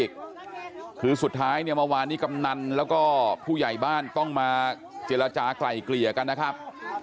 อีกคือสุดท้ายเนี่ยเมื่อวานนี้กำนันแล้วก็ผู้ใหญ่บ้านต้องมาเจรจากลายเกลี่ยกันนะครับ